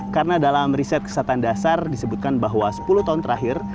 karena dalam riset kesatan dasar disebutkan bahwa sepuluh tahun terakhir